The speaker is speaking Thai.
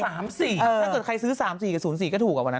ถ้าเกิดใครซื้อ๓๔กับ๐๔ก็ถูกวันนั้น